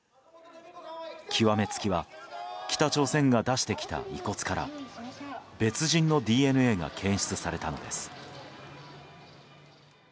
極め付きは北朝鮮が出してきた遺骨から別人のＤＮＡが検出されたのです。